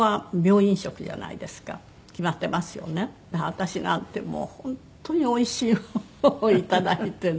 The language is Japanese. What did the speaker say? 私なんてもう本当においしいものをいただいてね。